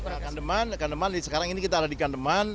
kandeman kandeman sekarang ini kita ada di kandeman